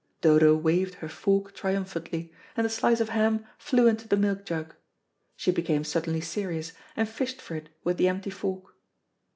Dodo waved her fork triumphantly, and the slice of ham flew into the milk jug. She became suddenly serious, and fished for it with the empty fork.